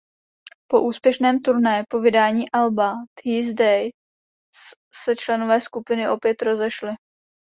Po úspěšném turné po vydání alba "These Days" se členové skupiny opět rozešli.